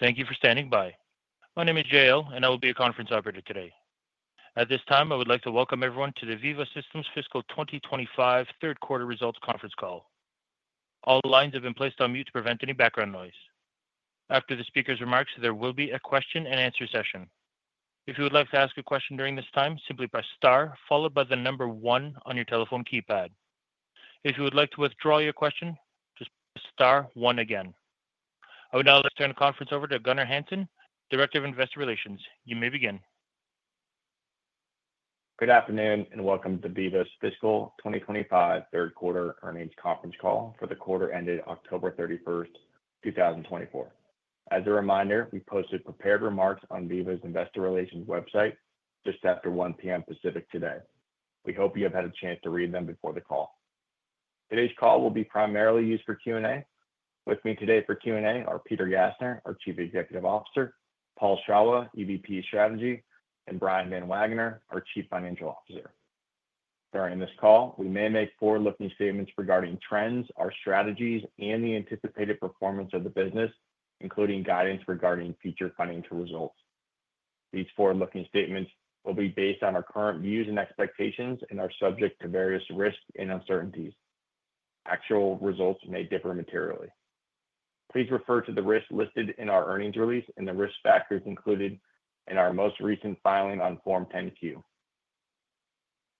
Thank you for standing by. My name is Jiil, and I will be your conference operator today. At this time, I would like to welcome everyone to the Veeva Systems Fiscal 2025 third quarter results conference call. All lines have been placed on mute to prevent any background noise. After the speaker's remarks, there will be a question and answer session. If you would like to ask a question during this time, simply press star followed by the number one on your telephone keypad. If you would like to withdraw your question, just press star one again. I would now like to turn the conference over to Gunnar Hansen, Director of Investor Relations. You may begin. Good afternoon and welcome to Veeva's Fiscal 2025 third quarter earnings conference call for the quarter ended October 31st, 2024. As a reminder, we posted prepared remarks on Veeva's Investor Relations website just after 1:00 P.M. Pacific today. We hope you have had a chance to read them before the call. Today's call will be primarily used for Q&A. With me today for Q&A are Peter Gassner, our Chief Executive Officer, Paul Shawah, EVP Strategy, and Brian Van Wagener, our Chief Financial Officer. During this call, we may make forward-looking statements regarding trends, our strategies, and the anticipated performance of the business, including guidance regarding future financial results. These forward-looking statements will be based on our current views and expectations and are subject to various risks and uncertainties. Actual results may differ materially. Please refer to the risks listed in our earnings release and the risk factors included in our most recent filing on Form 10-Q.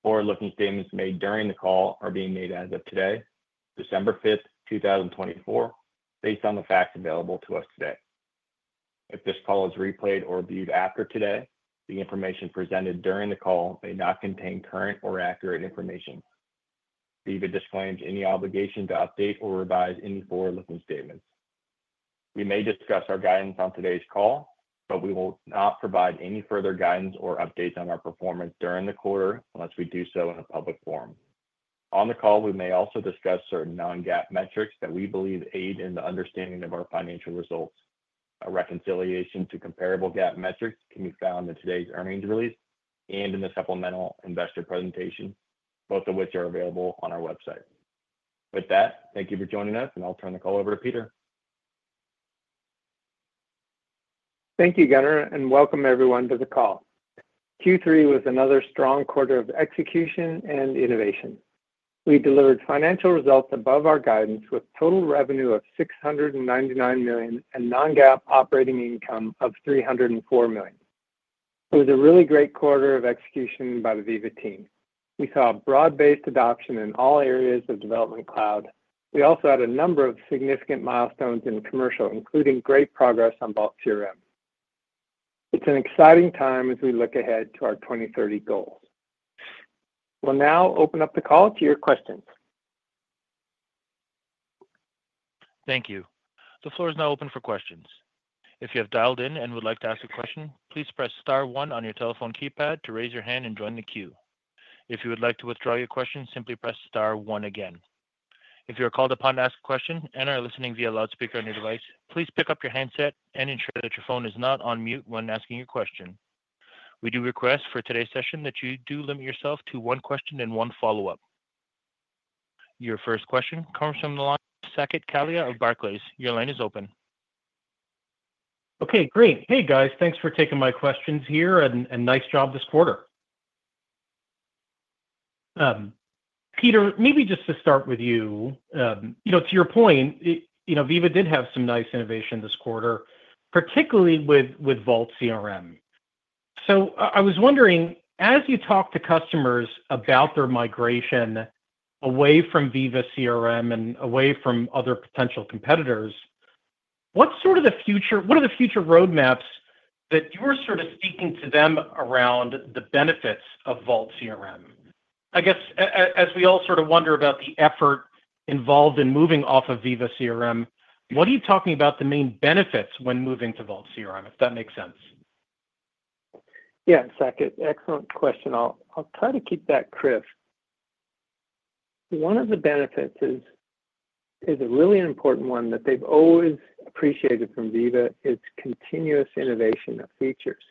Forward-looking statements made during the call are being made as of today, December 5th, 2024, based on the facts available to us today. If this call is replayed or viewed after today, the information presented during the call may not contain current or accurate information. Veeva disclaims any obligation to update or revise any forward-looking statements. We may discuss our guidance on today's call, but we will not provide any further guidance or updates on our performance during the quarter unless we do so in a public forum. On the call, we may also discuss certain non-GAAP metrics that we believe aid in the understanding of our financial results. A reconciliation to comparable GAAP metrics can be found in today's earnings release and in the supplemental investor presentation, both of which are available on our website. With that, thank you for joining us, and I'll turn the call over to Peter. Thank you, Gunnar, and welcome everyone to the call. Q3 was another strong quarter of execution and innovation. We delivered financial results above our guidance with total revenue of $699 million and non-GAAP operating income of $304 million. It was a really great quarter of execution by the Veeva team. We saw a broad-based adoption in all areas of Development Cloud. We also had a number of significant milestones in commercial, including great progress on Vault CRM. It's an exciting time as we look ahead to our 2030 goals. We'll now open up the call to your questions. Thank you. The floor is now open for questions. If you have dialed in and would like to ask a question, please press star one on your telephone keypad to raise your hand and join the queue. If you would like to withdraw your question, simply press star one again. If you are called upon to ask a question and are listening via loudspeaker on your device, please pick up your handset and ensure that your phone is not on mute when asking your question. We do request for today's session that you do limit yourself to one question and one follow-up. Your first question comes from Saket Kalia of Barclays. Your line is open. Okay, great. Hey, guys. Thanks for taking my questions here, and nice job this quarter. Peter, maybe just to start with you, to your point, Veeva did have some nice innovation this quarter, particularly with Vault CRM. So I was wondering, as you talk to customers about their migration away from Veeva CRM and away from other potential competitors, what are the future roadmaps that you're sort of speaking to them around the benefits of Vault CRM? I guess, as we all sort of wonder about the effort involved in moving off of Veeva CRM, what are you talking about the main benefits when moving to Vault CRM, if that makes sense? Yeah, Saket, excellent question. I'll try to keep that crisp. One of the benefits is a really important one that they've always appreciated from Veeva: it's continuous innovation of features.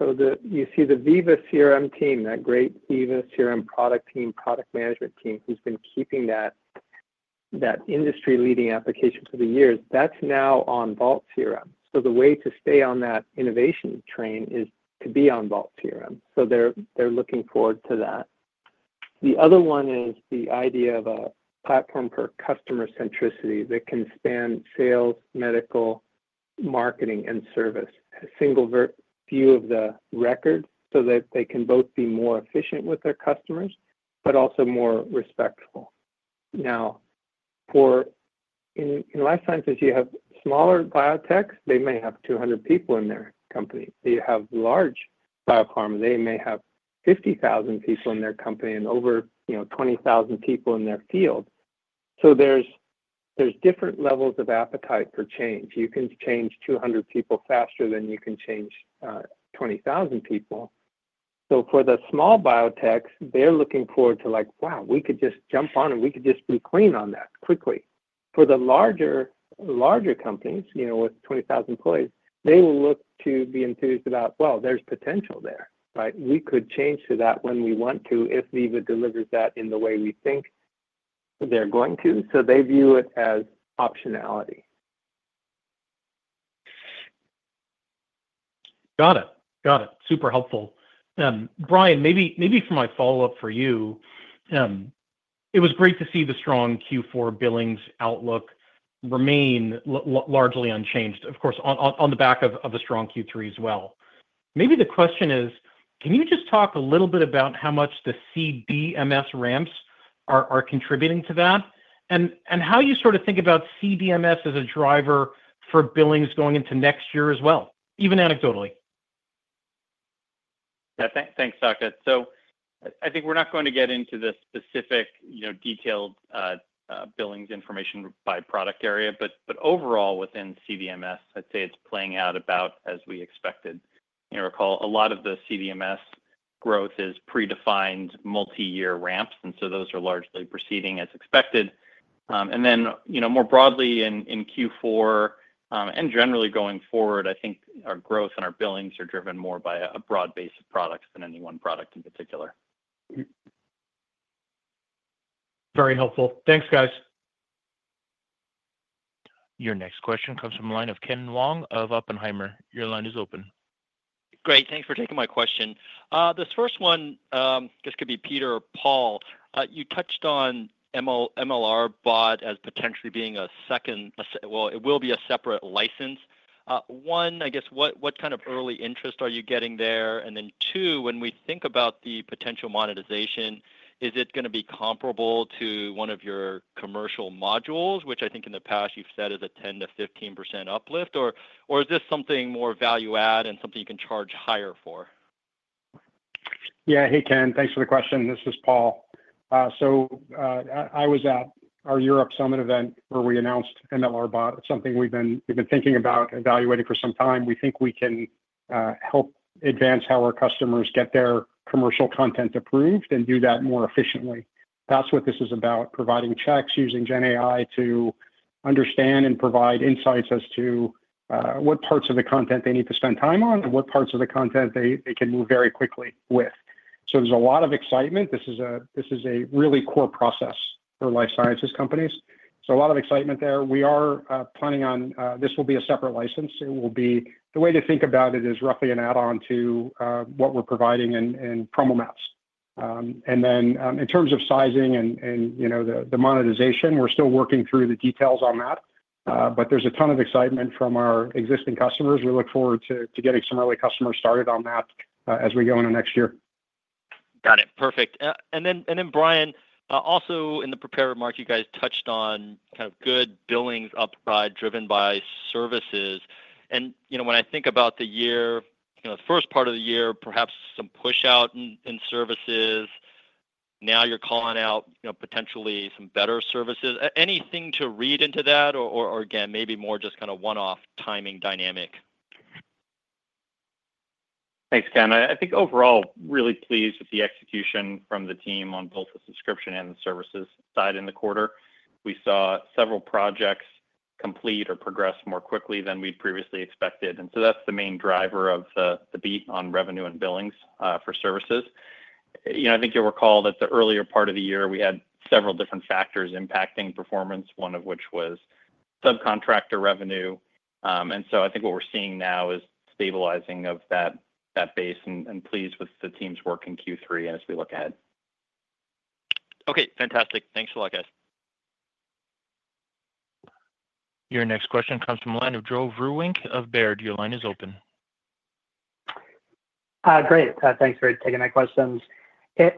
So you see the Veeva CRM team, that great Veeva CRM product team, product management team, who's been keeping that industry-leading application for the years, that's now on Vault CRM. So the way to stay on that innovation train is to be on Vault CRM. So they're looking forward to that. The other one is the idea of a platform for customer centricity that can span sales, medical, marketing, and service, a single view of the record so that they can both be more efficient with their customers but also more respectful. Now, in life sciences, you have smaller biotechs. They may have 200 people in their company. You have large biopharma. They may have 50,000 people in their company and over 20,000 people in their field. So there's different levels of appetite for change. You can change 200 people faster than you can change 20,000 people. So for the small biotechs, they're looking forward to like, "Wow, we could just jump on it. We could just be clean on that quickly." For the larger companies with 20,000 employees, they will look to be enthused about, "Well, there's potential there. We could change to that when we want to if Veeva delivers that in the way we think they're going to." So they view it as optionality. Got it. Got it. Super helpful. Brian, maybe for my follow-up for you, it was great to see the strong Q4 billings outlook remain largely unchanged, of course, on the back of a strong Q3 as well. Maybe the question is, can you just talk a little bit about how much the Vault CDMS ramps are contributing to that and how you sort of think about Vault CDMS as a driver for billings going into next year as well, even anecdotally? Thanks, Saket. So I think we're not going to get into the specific detailed billings information by product area, but overall, within Vault CDMS, I'd say it's playing out about as we expected. You recall a lot of the Vault CDMS growth is predefined multi-year ramps, and so those are largely proceeding as expected, and then more broadly, in Q4 and generally going forward, I think our growth and our billings are driven more by a broad base of products than any one product in particular. Very helpful. Thanks, guys. Your next question comes from the line of Ken Wong of Oppenheimer. Your line is open. Great. Thanks for taking my question. This first one, this could be Peter or Paul, you touched on MLR Bot as potentially being a second, well, it will be a separate license. One, I guess, what kind of early interest are you getting there? And then two, when we think about the potential monetization, is it going to be comparable to one of your commercial modules, which I think in the past you've said is a 10%-15% uplift, or is this something more value-add and something you can charge higher for? Yeah, hey Ken, thanks for the question. This is Paul. So I was at our Europe Summit event where we announced MLR Bot. It's something we've been thinking about, evaluating for some time. We think we can help advance how our customers get their commercial content approved and do that more efficiently. That's what this is about: providing checks using GenAI to understand and provide insights as to what parts of the content they need to spend time on and what parts of the content they can move very quickly with. So there's a lot of excitement. This is a really core process for life sciences companies. So a lot of excitement there. We are planning on—this will be a separate license. The way to think about it is roughly an add-on to what we're providing in PromoMats. And then in terms of sizing and the monetization, we're still working through the details on that, but there's a ton of excitement from our existing customers. We look forward to getting some early customers started on that as we go into next year. Got it. Perfect. And then, Brian, also in the prepared remarks, you guys touched on kind of good billings upside driven by services. And when I think about the year, the first part of the year, perhaps some push-out in services. Now you're calling out potentially some better services. Anything to read into that, or again, maybe more just kind of one-off timing dynamic? Thanks, Ken. I think overall, really pleased with the execution from the team on both the subscription and the services side in the quarter. We saw several projects complete or progress more quickly than we'd previously expected, and so that's the main driver of the beat on revenue and billings for services. I think you'll recall that the earlier part of the year, we had several different factors impacting performance, one of which was subcontractor revenue, and so I think what we're seeing now is stabilizing of that base and pleased with the team's work in Q3 as we look ahead. Okay. Fantastic. Thanks a lot, guys. Your next question comes from the line of Joe Vruwink of Baird. Your line is open. Great. Thanks for taking my questions.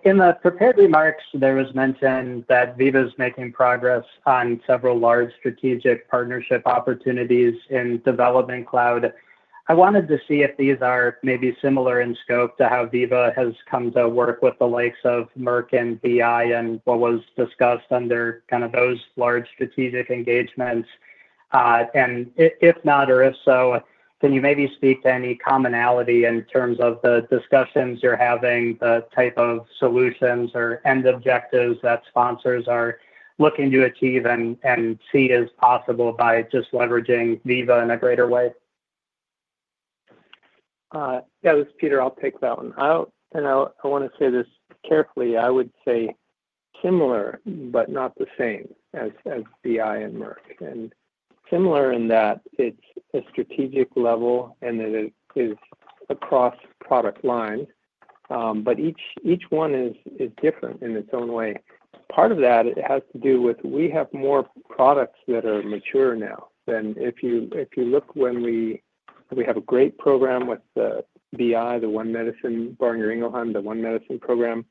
In the prepared remarks, there was mention that Veeva is making progress on several large strategic partnership opportunities in Development Cloud. I wanted to see if these are maybe similar in scope to how Veeva has come to work with the likes of Merck and BI and what was discussed under kind of those large strategic engagements. And if not, or if so, can you maybe speak to any commonality in terms of the discussions you're having, the type of solutions or end objectives that sponsors are looking to achieve and see as possible by just leveraging Veeva in a greater way? Yeah, this is Peter. I'll take that one, and I want to say this carefully. I would say similar but not the same as BI and Merck, and similar in that it's a strategic level and it is across product lines, but each one is different in its own way. Part of that has to do with we have more products that are mature now. And if you look when we have a great program with the BI, the One Medicine, Boehringer Ingelheim, the One Medicine program.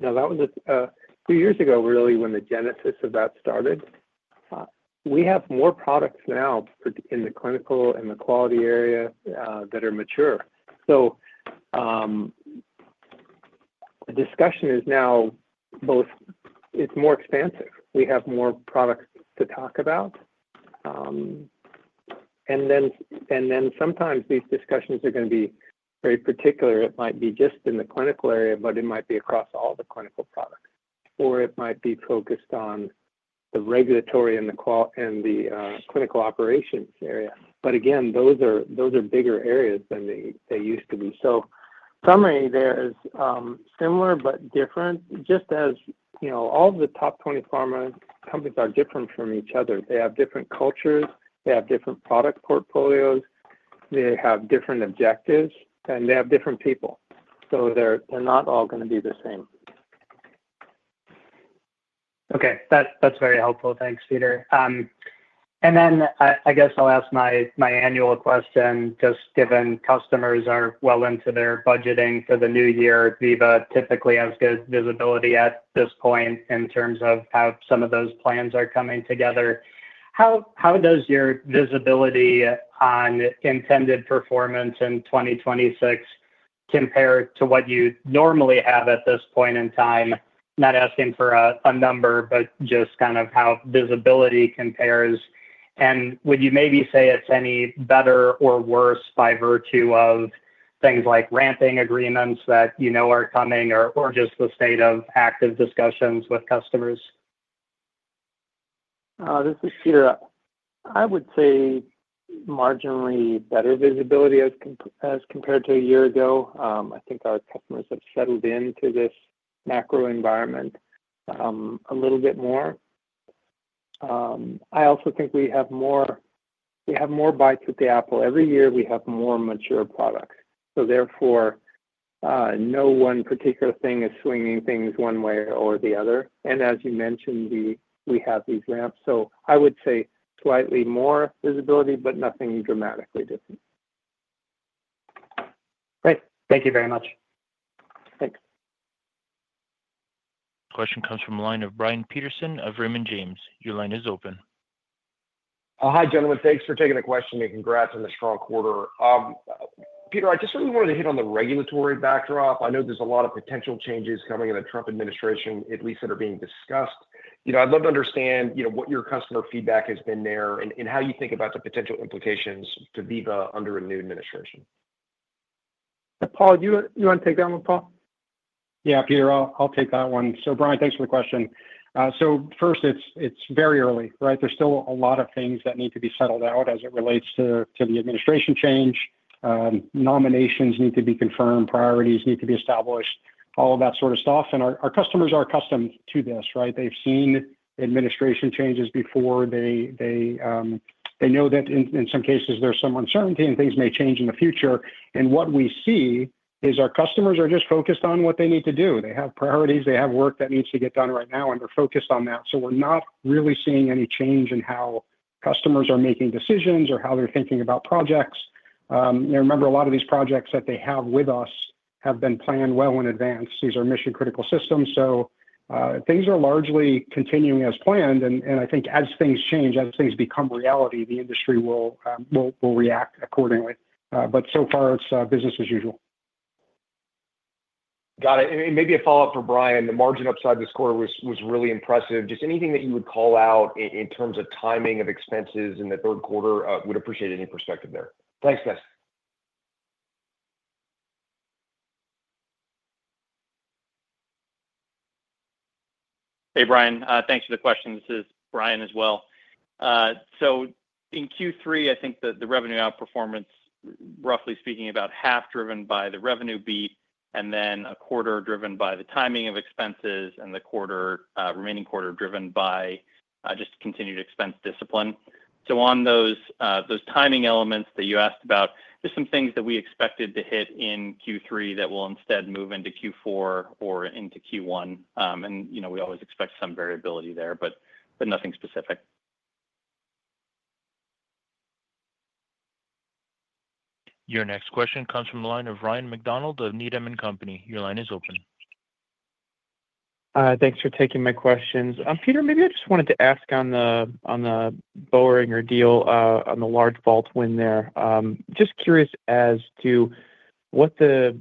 Now, that was a few years ago, really, when the genesis of that started. We have more products now in the clinical and the quality area that are mature. So the discussion is now both it's more expansive. We have more products to talk about, and then sometimes these discussions are going to be very particular. It might be just in the clinical area, but it might be across all the clinical products. Or it might be focused on the regulatory and the clinical operations area. But again, those are bigger areas than they used to be. So, summary, there's similar but different, just as all the top 20 pharma companies are different from each other. They have different cultures. They have different product portfolios. They have different objectives, and they have different people. So they're not all going to be the same. Okay. That's very helpful. Thanks, Peter. And then I guess I'll ask my annual question, just given customers are well into their budgeting for the new year, Veeva typically has good visibility at this point in terms of how some of those plans are coming together. How does your visibility on intended performance in 2026 compare to what you normally have at this point in time? Not asking for a number, but just kind of how visibility compares. And would you maybe say it's any better or worse by virtue of things like ramping agreements that you know are coming or just the state of active discussions with customers? This is Peter. I would say marginally better visibility as compared to a year ago. I think our customers have settled into this macro environment a little bit more. I also think we have more bites at the apple. Every year, we have more mature products. So therefore, no one particular thing is swinging things one way or the other. And as you mentioned, we have these ramps. So I would say slightly more visibility, but nothing dramatically different. Great. Thank you very much. Thanks. Question comes from the line of Brian Peterson of Raymond James. Your line is open. Hi, gentlemen. Thanks for taking the question. And congrats on the strong quarter. Peter, I just really wanted to hit on the regulatory backdrop. I know there's a lot of potential changes coming in the Trump administration, at least that are being discussed. I'd love to understand what your customer feedback has been there and how you think about the potential implications to Veeva under a new administration. Paul, do you want to take that one, Paul? Yeah, Peter, I'll take that one. So Brian, thanks for the question. So first, it's very early, right? There's still a lot of things that need to be settled out as it relates to the administration change. Nominations need to be confirmed. Priorities need to be established. All of that sort of stuff. And our customers are accustomed to this, right? They've seen administration changes before. They know that in some cases, there's some uncertainty and things may change in the future. And what we see is our customers are just focused on what they need to do. They have priorities. They have work that needs to get done right now, and they're focused on that. So we're not really seeing any change in how customers are making decisions or how they're thinking about projects. Remember, a lot of these projects that they have with us have been planned well in advance. These are mission-critical systems. So things are largely continuing as planned. And I think as things change, as things become reality, the industry will react accordingly, but so far, it's business as usual. Got it. And maybe a follow-up for Brian. The margin upside this quarter was really impressive. Just anything that you would call out in terms of timing of expenses in the third quarter. Would appreciate any perspective there. Thanks, guys. Hey, Brian. Thanks for the question. This is Brian as well. So in Q3, I think the revenue outperformance, roughly speaking, about half driven by the revenue beat and then a quarter driven by the timing of expenses and the remaining quarter driven by just continued expense discipline. So on those timing elements that you asked about, there's some things that we expected to hit in Q3 that will instead move into Q4 or into Q1, and we always expect some variability there, but nothing specific. Your next question comes from the line of Ryan MacDonald of Needham & Company. Your line is open. Thanks for taking my questions. Peter, maybe I just wanted to ask on the Boehringer Ingelheim, on the large Vault win there. Just curious as to what the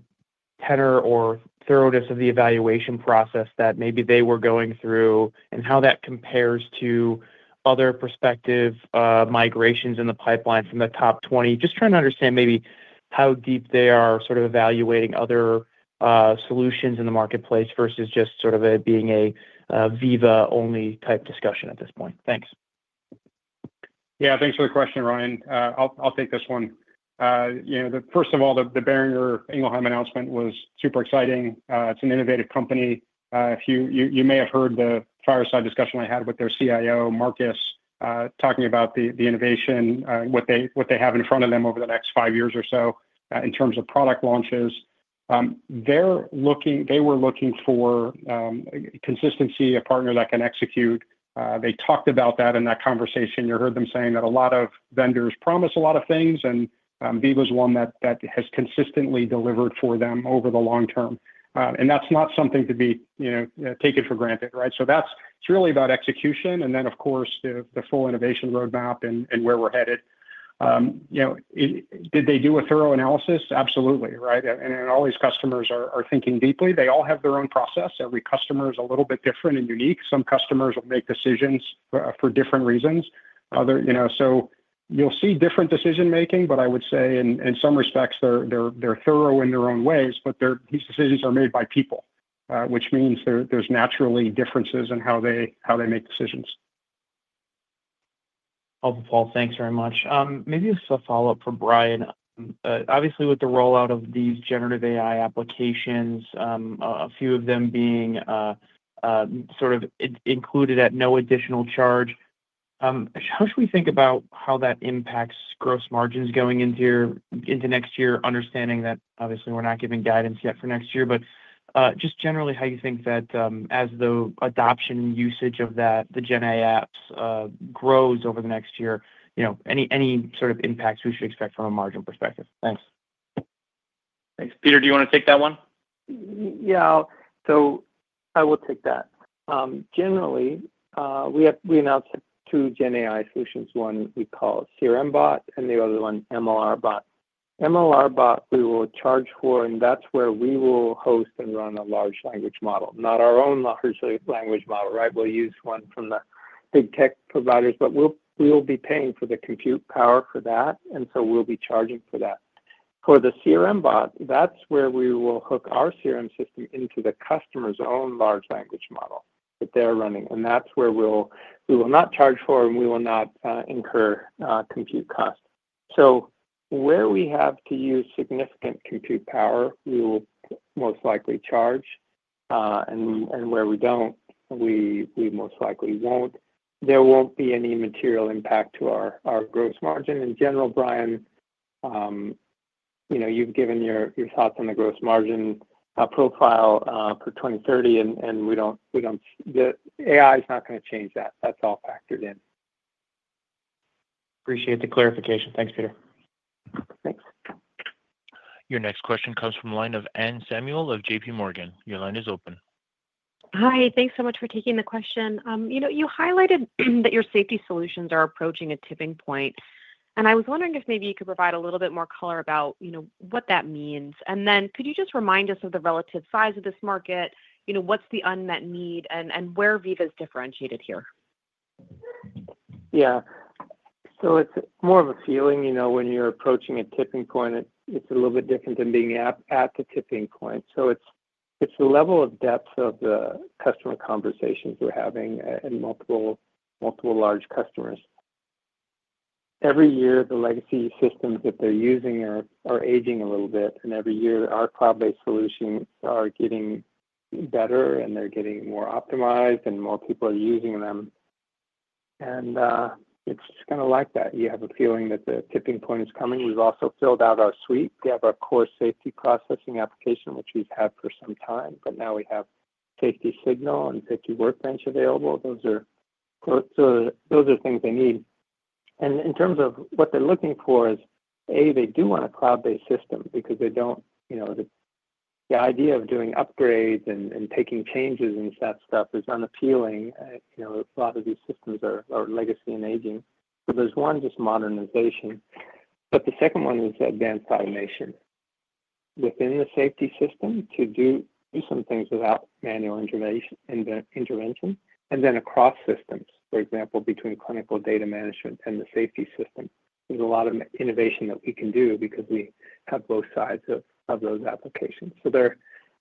tenor or thoroughness of the evaluation process that maybe they were going through and how that compares to other prospective migrations in the pipeline from the top 20. Just trying to understand maybe how deep they are sort of evaluating other solutions in the marketplace versus just sort of it being a Veeva-only type discussion at this point. Thanks. Yeah, thanks for the question, Ryan. I'll take this one. First of all, the Boehringer Ingelheim announcement was super exciting. It's an innovative company. You may have heard the fireside discussion I had with their CIO, Marcus, talking about the innovation, what they have in front of them over the next five years or so in terms of product launches. They were looking for consistency, a partner that can execute. They talked about that in that conversation. You heard them saying that a lot of vendors promise a lot of things, and Veeva is one that has consistently delivered for them over the long term. And that's not something to be taken for granted, right? So it's really about execution and then, of course, the full innovation roadmap and where we're headed. Did they do a thorough analysis? Absolutely, right? And all these customers are thinking deeply. They all have their own process. Every customer is a little bit different and unique. Some customers will make decisions for different reasons. So you'll see different decision-making, but I would say in some respects, they're thorough in their own ways, but these decisions are made by people, which means there's naturally differences in how they make decisions. Awesome, Paul. Thanks very much. Maybe this is a follow-up for Brian. Obviously, with the rollout of these generative AI applications, a few of them being sort of included at no additional charge, how should we think about how that impacts gross margins going into next year, understanding that obviously we're not giving guidance yet for next year, but just generally how you think that as the adoption and usage of the GenAI apps grows over the next year, any sort of impacts we should expect from a margin perspective? Thanks. Thanks. Peter, do you want to take that one? Yeah. So I will take that. Generally, we announced two GenAI solutions. One we call CRM Bot and the other one MLR Bot. MLR Bot, we will charge for, and that's where we will host and run a large language model. Not our own large language model, right? We'll use one from the big tech providers, but we'll be paying for the compute power for that, and so we'll be charging for that. For the CRM Bot, that's where we will hook our CRM system into the customer's own large language model that they're running. And that's where we'll not charge for, and we will not incur compute costs. So where we have to use significant compute power, we will most likely charge. And where we don't, we most likely won't. There won't be any material impact to our gross margin. In general, Brian, you've given your thoughts on the gross margin profile for 2030, and the AI is not going to change that. That's all factored in. Appreciate the clarification. Thanks, Peter. Thanks. Your next question comes from the line of Anne Samuel of JPMorgan. Your line is open. Hi. Thanks so much for taking the question. You highlighted that your safety solutions are approaching a tipping point. And I was wondering if maybe you could provide a little bit more color about what that means. And then could you just remind us of the relative size of this market? What's the unmet need and where Veeva is differentiated here? Yeah. So it's more of a feeling. When you're approaching a tipping point, it's a little bit different than being at the tipping point. So it's the level of depth of the customer conversations we're having in multiple large customers. Every year, the legacy systems that they're using are aging a little bit. And every year, our cloud-based solutions are getting better, and they're getting more optimized, and more people are using them. And it's kind of like that. You have a feeling that the tipping point is coming. We've also filled out our suite. We have our core safety processing application, which we've had for some time, but now we have Safety Signal and Safety Workbench available. Those are things they need. And in terms of what they're looking for is A, they do want a cloud-based system because they don't like the idea of doing upgrades and taking changes and that stuff is unappealing. A lot of these systems are legacy and aging. So there's one just modernization. But the second one is advanced automation within the safety system to do some things without manual intervention. And then across systems, for example, between clinical data management and the safety system, there's a lot of innovation that we can do because we have both sides of those applications. So they're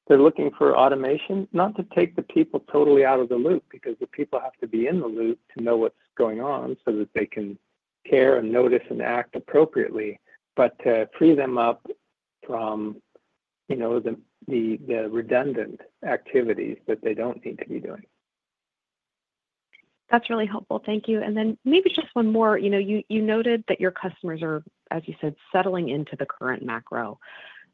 looking for automation, not to take the people totally out of the loop because the people have to be in the loop to know what's going on so that they can care and notice and act appropriately, but to free them up from the redundant activities that they don't need to be doing. That's really helpful. Thank you. And then maybe just one more. You noted that your customers are, as you said, settling into the current macro.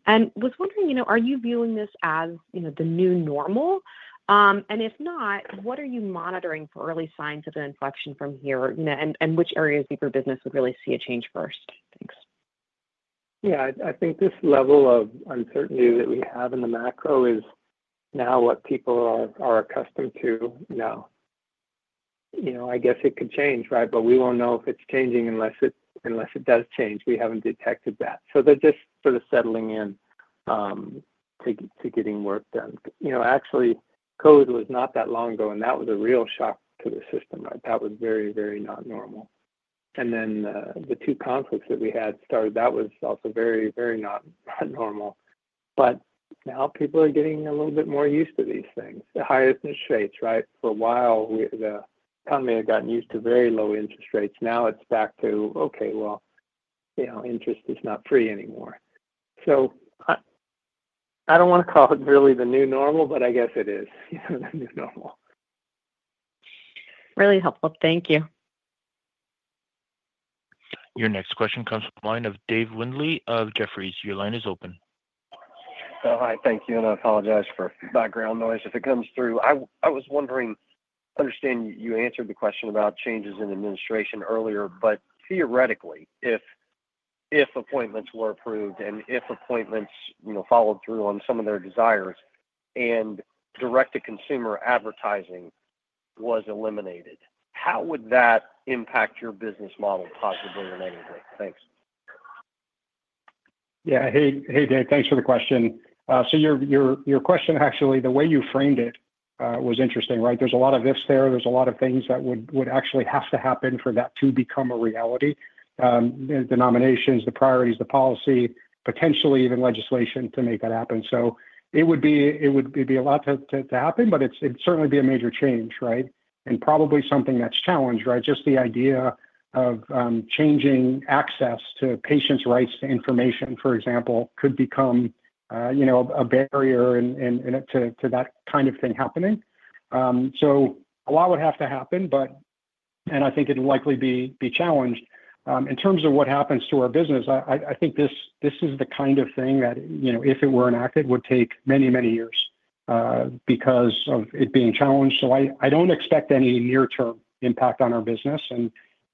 And was wondering, are you viewing this as the new normal? And if not, what are you monitoring for early signs of an inflection from here? And which areas of your business would really see a change first? Thanks. Yeah. I think this level of uncertainty that we have in the macro is now what people are accustomed to now. I guess it could change, right? But we won't know if it's changing unless it does change. We haven't detected that. So they're just sort of settling in to getting work done. Actually, COVID was not that long ago, and that was a real shock to the system, right? That was very, very not normal. And then the two conflicts that we had started, that was also very, very not normal. But now people are getting a little bit more used to these things. The highest interest rates, right? For a while, the economy had gotten used to very low interest rates. Now it's back to, okay, well, interest is not free anymore. So I don't want to call it really the new normal, but I guess it is the new normal. Really helpful. Thank you. Your next question comes from the line of Dave Windley of Jefferies. Your line is open. Hi. Thank you. And I apologize for background noise. If it comes through, I was wondering, understand you answered the question about changes in administration earlier, but theoretically, if appointments were approved and if appointments followed through on some of their desires and direct-to-consumer advertising was eliminated, how would that impact your business model possibly in any way? Thanks. Yeah. Hey, Dave. Thanks for the question. So your question, actually, the way you framed it was interesting, right? There's a lot of ifs there. There's a lot of things that would actually have to happen for that to become a reality: the nominations, the priorities, the policy, potentially even legislation to make that happen. So it would be a lot to happen, but it'd certainly be a major change, right? And probably something that's challenged, right? Just the idea of changing access to patients' rights to information, for example, could become a barrier to that kind of thing happening. So a lot would have to happen, and I think it'd likely be challenged. In terms of what happens to our business, I think this is the kind of thing that, if it were enacted, would take many, many years because of it being challenged. So I don't expect any near-term impact on our business.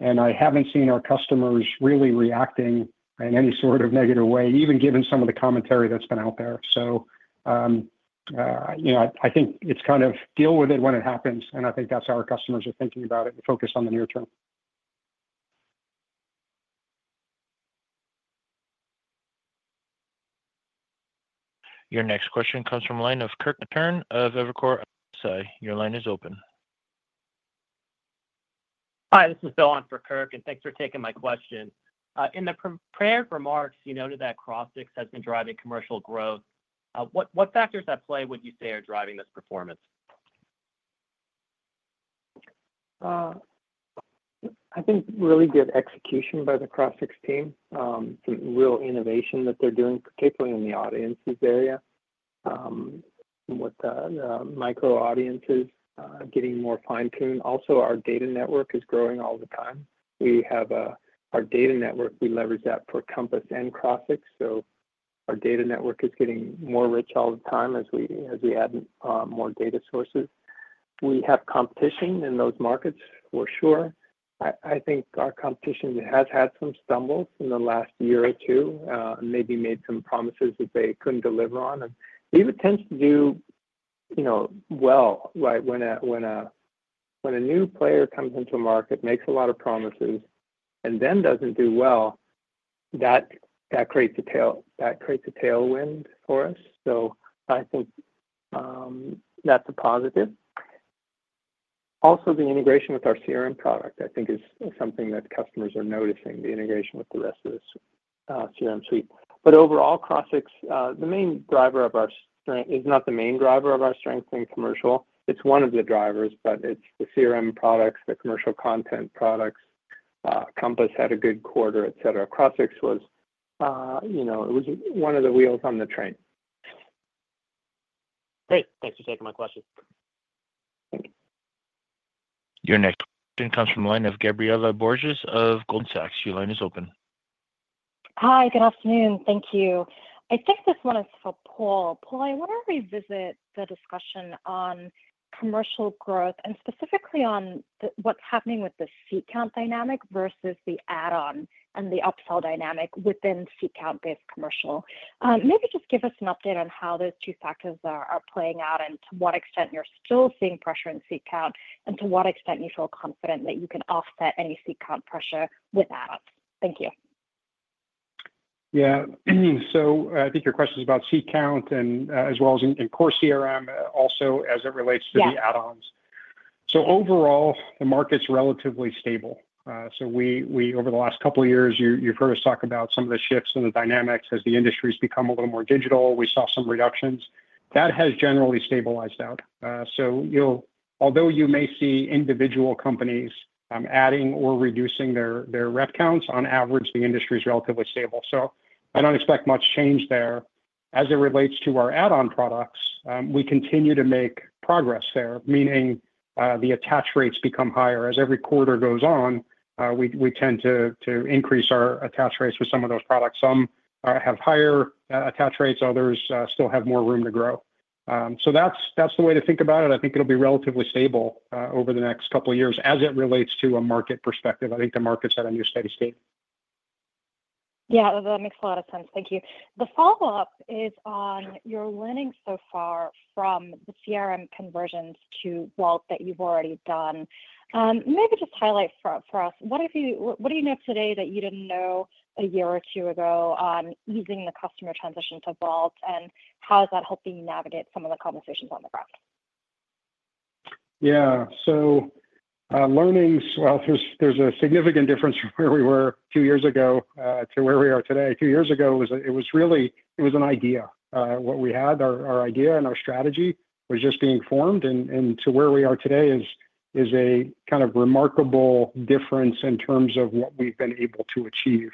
And I haven't seen our customers really reacting in any sort of negative way, even given some of the commentary that's been out there. So I think it's kind of deal with it when it happens. And I think that's how our customers are thinking about it and focused on the near term. Your next question comes from the line of Kirk Materne of Evercore. Sorry. Your line is open. Hi. This is Bill on for Kirk, and thanks for taking my question. In the prepared remarks, you noted that Crossix has been driving commercial growth. What factors at play would you say are driving this performance? I think really good execution by the Crossix team, some real innovation that they're doing, particularly in the audiences area, with the micro audiences getting more fine-tuned. Also, our data network is growing all the time. Our data network, we leverage that for Compass and Crossix. So our data network is getting more rich all the time as we add more data sources. We have competition in those markets, for sure. I think our competition has had some stumbles in the last year or two, maybe made some promises that they couldn't deliver on. And Veeva tends to do well, right? When a new player comes into a market, makes a lot of promises, and then doesn't do well, that creates a tailwind for us. So I think that's a positive. Also, the integration with our CRM product, I think, is something that customers are noticing, the integration with the rest of the CRM suite. But overall, Crossix, the main driver of our strength is not the main driver of our strength in commercial. It's one of the drivers, but it's the CRM products, the commercial content products. Compass had a good quarter, etc. Crossix was one of the wheels on the train. Great. Thanks for taking my question. Thank you. Your next question comes from the line of Gabriela Borges of Goldman Sachs. Your line is open. Hi. Good afternoon. Thank you. I think this one is for Paul. Paul, I want to revisit the discussion on commercial growth and specifically on what's happening with the seat count dynamic versus the add-on and the upsell dynamic within seat count-based commercial. Maybe just give us an update on how those two factors are playing out and to what extent you're still seeing pressure in seat count and to what extent you feel confident that you can offset any seat count pressure with add-ons. Thank you. Yeah. So I think your question is about seat count as well as in core CRM, also as it relates to the add-ons. So overall, the market's relatively stable. So over the last couple of years, you've heard us talk about some of the shifts in the dynamics as the industry's become a little more digital. We saw some reductions. That has generally stabilized out. So although you may see individual companies adding or reducing their rep counts, on average, the industry's relatively stable. So I don't expect much change there. As it relates to our add-on products, we continue to make progress there, meaning the attach rates become higher. As every quarter goes on, we tend to increase our attach rates with some of those products. Some have higher attach rates. Others still have more room to grow. So that's the way to think about it. I think it'll be relatively stable over the next couple of years as it relates to a market perspective. I think the market's at a new steady state. Yeah. That makes a lot of sense. Thank you. The follow-up is on your learning so far from the CRM conversions to Vault that you've already done. Maybe just highlight for us, what do you know today that you didn't know a year or two ago on using the customer transition to Vault, and how is that helping navigate some of the conversations on the ground? Yeah. So, learnings, well, there's a significant difference from where we were two years ago to where we are today. Two years ago, it was really an idea. What we had, our idea and our strategy, was just being formed, and to where we are today is a kind of remarkable difference in terms of what we've been able to achieve.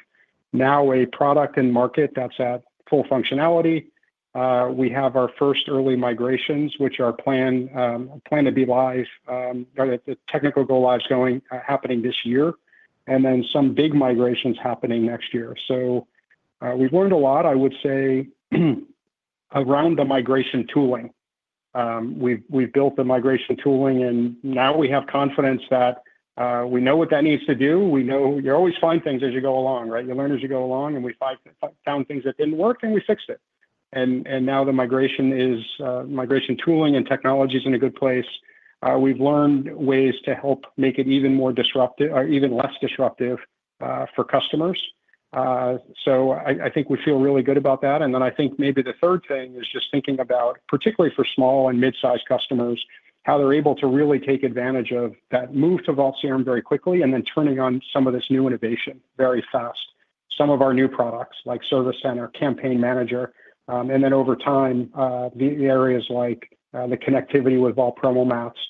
Now, a product and market that's at full functionality. We have our first early migrations, which are planned to be live, technical go-live happening this year, and then some big migrations happening next year, so we've learned a lot, I would say, around the migration tooling. We've built the migration tooling, and now we have confidence that we know what that needs to do. You always find things as you go along, right? You learn as you go along, and we found things that didn't work, and we fixed it. And now the migration tooling and technology is in a good place. We've learned ways to help make it even more disruptive or even less disruptive for customers. So I think we feel really good about that. And then I think maybe the third thing is just thinking about, particularly for small and mid-sized customers, how they're able to really take advantage of that move to Vault CRM very quickly and then turning on some of this new innovation very fast. Some of our new products like Service Center, Campaign Manager, and then over time, the areas like the connectivity with Vault PromoMats,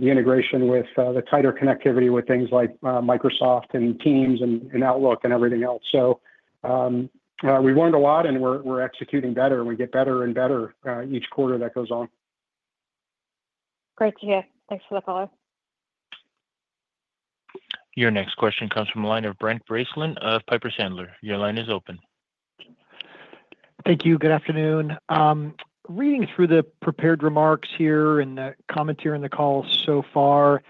the integration with the tighter connectivity with things like Microsoft and Teams and Outlook and everything else. So we've learned a lot, and we're executing better. We get better and better each quarter that goes on. Great to hear. Thanks for the follow-up. Your next question comes from the line of Brent Bracelin of Piper Sandler. Your line is open. Thank you. Good afternoon. Reading through the prepared remarks here and the commentary in the call so far,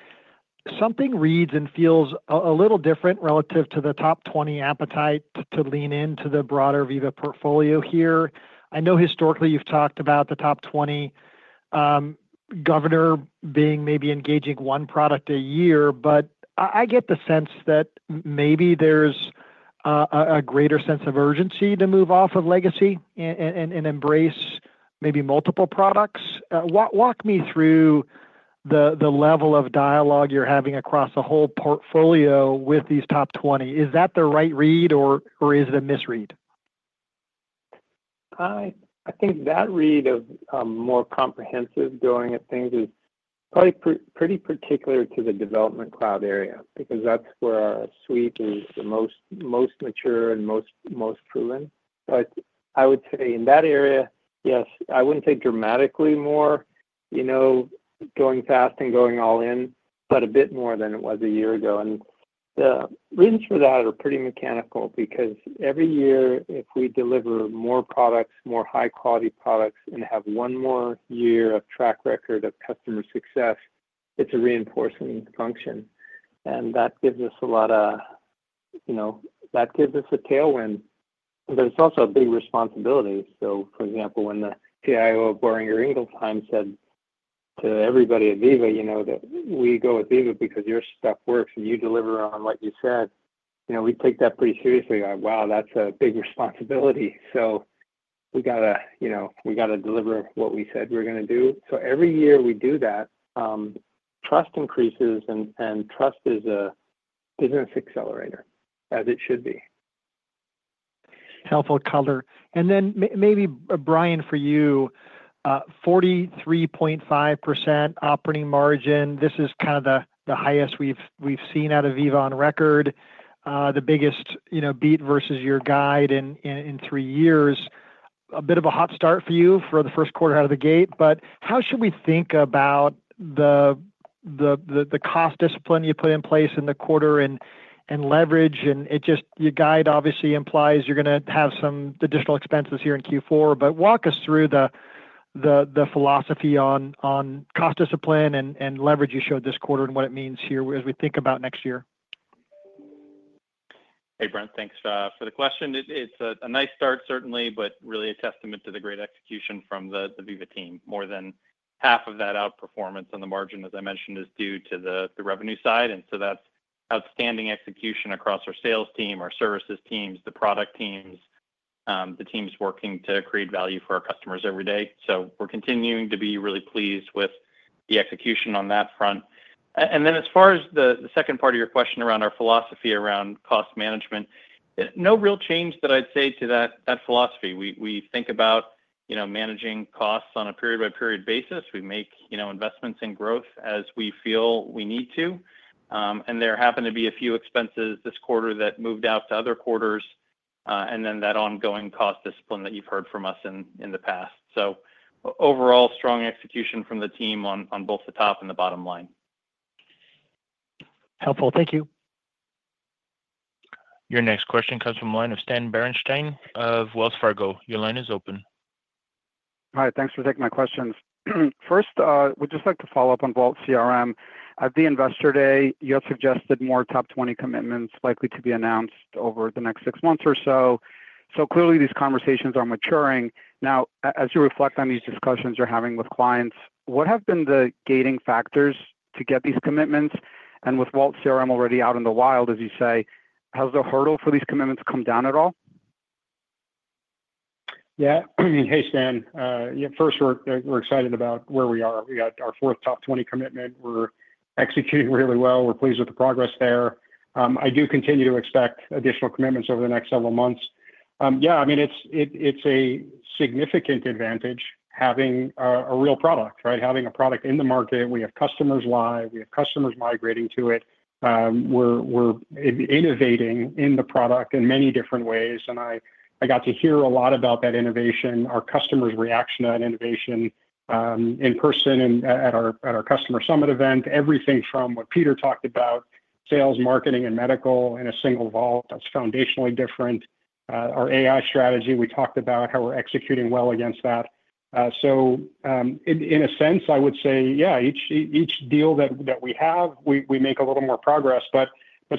something reads and feels a little different relative to the top 20 appetite to lean into the broader Veeva portfolio here. I know historically you've talked about the top 20 governor being maybe engaging one product a year, but I get the sense that maybe there's a greater sense of urgency to move off of legacy and embrace maybe multiple products. Walk me through the level of dialogue you're having across the whole portfolio with these top 20. Is that the right read, or is it a misread? I think that read of more comprehensive going at things is probably pretty particular to the Development Cloud area because that's where our suite is the most mature and most proven. But I would say in that area, yes, I wouldn't say dramatically more going fast and going all in, but a bit more than it was a year ago. And the reasons for that are pretty mechanical because every year, if we deliver more products, more high-quality products, and have one more year of track record of customer success, it's a reinforcing function. And that gives us a tailwind. But it's also a big responsibility. So for example, when the CIO of Boehringer Ingelheim said to everybody at Veeva that we go with Veeva because your stuff works and you deliver on what you said, we take that pretty seriously. Like, wow, that's a big responsibility. So we got to deliver what we said we're going to do. So every year we do that, trust increases, and trust is a business accelerator, as it should be. Helpful color. And then maybe, Brian, for you, 43.5% operating margin. This is kind of the highest we've seen out of Veeva on record. The biggest beat versus your guide in three years. A bit of a hot start for you for the first quarter out of the gate. But how should we think about the cost discipline you put in place in the quarter and leverage? And your guide obviously implies you're going to have some additional expenses here in Q4. But walk us through the philosophy on cost discipline and leverage you showed this quarter and what it means here as we think about next year. Hey, Brent. Thanks for the question. It's a nice start, certainly, but really a testament to the great execution from the Veeva team. More than half of that outperformance on the margin, as I mentioned, is due to the revenue side. And so that's outstanding execution across our sales team, our services teams, the product teams, the teams working to create value for our customers every day. So we're continuing to be really pleased with the execution on that front. And then as far as the second part of your question around our philosophy around cost management, no real change that I'd say to that philosophy. We think about managing costs on a period-by-period basis. We make investments in growth as we feel we need to. And there happened to be a few expenses this quarter that moved out to other quarters, and then that ongoing cost discipline that you've heard from us in the past. So overall, strong execution from the team on both the top and the bottom line. Helpful. Thank you. Your next question comes from the line of Stan Berenshteyn of Wells Fargo. Your line is open. Hi. Thanks for taking my questions. First, we'd just like to follow up on Vault CRM. At the investor day, you had suggested more top 20 commitments likely to be announced over the next six months or so. So clearly, these conversations are maturing. Now, as you reflect on these discussions you're having with clients, what have been the gating factors to get these commitments? And with Vault CRM already out in the wild, as you say, has the hurdle for these commitments come down at all? Yeah. Hey, Stan. First, we're excited about where we are. We got our fourth top 20 commitment. We're executing really well. We're pleased with the progress there. I do continue to expect additional commitments over the next several months. Yeah. I mean, it's a significant advantage having a real product, right? Having a product in the market. We have customers live. We have customers migrating to it. We're innovating in the product in many different ways. And I got to hear a lot about that innovation, our customers' reaction to that innovation in person and at our customer summit event. Everything from what Peter talked about, sales, marketing, and medical in a single Vault. That's foundationally different. Our AI strategy, we talked about how we're executing well against that. So in a sense, I would say, yeah, each deal that we have, we make a little more progress. But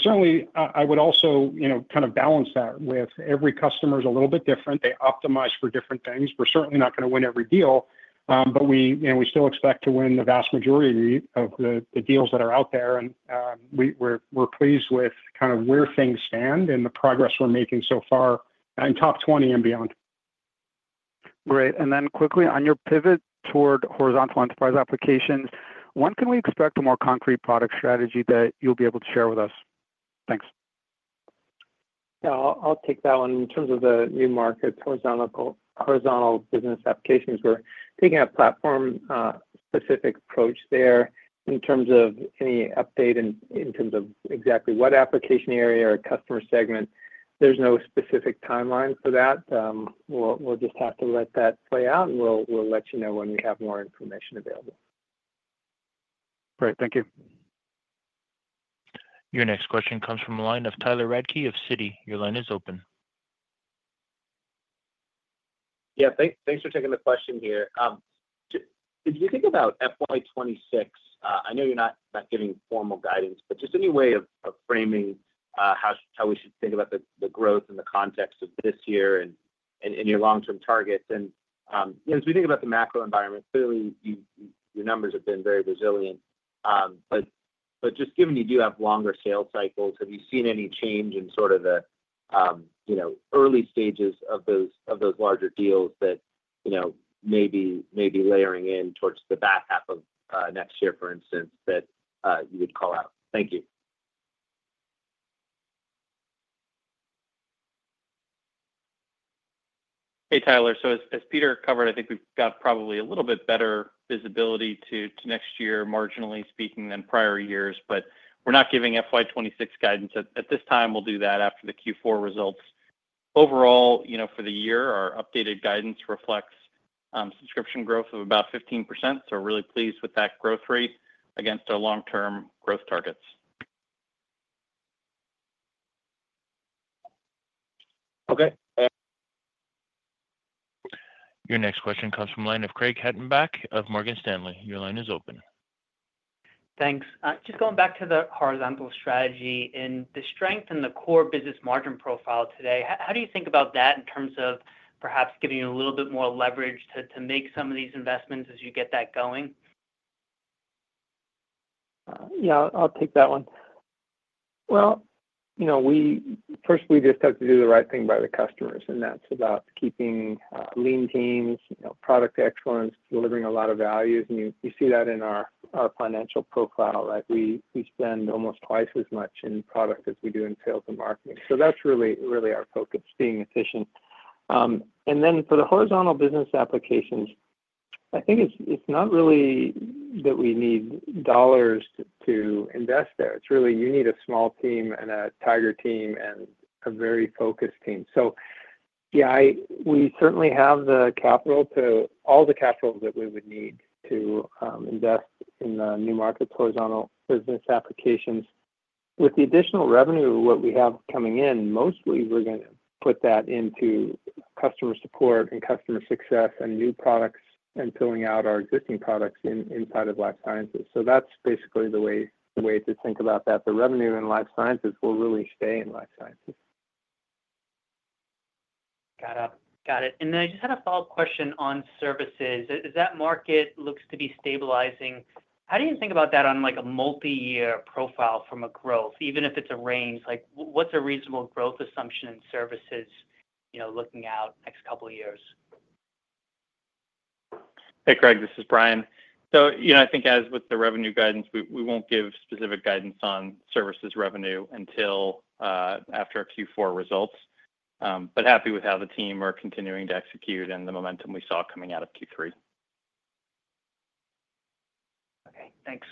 certainly, I would also kind of balance that with every customer is a little bit different. They optimize for different things. We're certainly not going to win every deal, but we still expect to win the vast majority of the deals that are out there. And we're pleased with kind of where things stand and the progress we're making so far in top 20 and beyond. Great. And then quickly, on your pivot toward horizontal enterprise applications, when can we expect a more concrete product strategy that you'll be able to share with us? Thanks. Yeah. I'll take that one. In terms of the new markets, horizontal business applications, we're taking a platform-specific approach there in terms of any update in terms of exactly what application area or customer segment. There's no specific timeline for that. We'll just have to let that play out, and we'll let you know when we have more information available. Great. Thank you. Your next question comes from the line of Tyler Radke of Citi. Your line is open. Yeah. Thanks for taking the question here. If you think about FY 2026, I know you're not giving formal guidance, but just any way of framing how we should think about the growth in the context of this year and your long-term targets, and as we think about the macro environment, clearly, your numbers have been very resilient, but just given you do have longer sales cycles, have you seen any change in sort of the early stages of those larger deals that may be layering in towards the back half of next year, for instance, that you would call out? Thank you. Hey, Tyler, so as Peter covered, I think we've got probably a little bit better visibility to next year, marginally speaking, than prior years, but we're not giving FY 2026 guidance at this time. We'll do that after the Q4 results. Overall, for the year, our updated guidance reflects subscription growth of about 15%. So we're really pleased with that growth rate against our long-term growth targets. Okay. Your next question comes from the line of Craig Hettenbach of Morgan Stanley. Your line is open. Thanks. Just going back to the horizontal strategy and the strength in the core business margin profile today, how do you think about that in terms of perhaps giving you a little bit more leverage to make some of these investments as you get that going? Yeah. I'll take that one. Well, first, we just have to do the right thing by the customers. And that's about keeping lean teams, product excellence, delivering a lot of values. And you see that in our financial profile, right? We spend almost twice as much in product as we do in sales and marketing. So that's really our focus, being efficient. And then for the horizontal business applications, I think it's not really that we need dollars to invest there. It's really you need a small team and a tiger team and a very focused team. So yeah, we certainly have all the capital that we would need to invest in the new markets, horizontal business applications. With the additional revenue, what we have coming in, mostly we're going to put that into customer support and customer success and new products and filling out our existing products inside of life sciences. So that's basically the way to think about that. The revenue in life sciences will really stay in life sciences. Got it. Got it. And then I just had a follow-up question on services. As that market looks to be stabilizing, how do you think about that on a multi-year profile from a growth, even if it's a range? What's a reasonable growth assumption in services looking out next couple of years? Hey, Craig. This is Brian. So I think as with the revenue guidance, we won't give specific guidance on services revenue until after Q4 results. But happy with how the team are continuing to execute and the momentum we saw coming out of Q3. Okay. Thanks.